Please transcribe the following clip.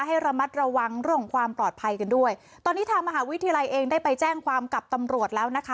ให้ระมัดระวังเรื่องความปลอดภัยกันด้วยตอนนี้ทางมหาวิทยาลัยเองได้ไปแจ้งความกับตำรวจแล้วนะคะ